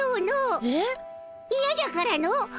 いやじゃからの。